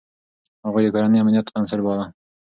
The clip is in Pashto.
هغه د کورنۍ امنيت بنسټ باله.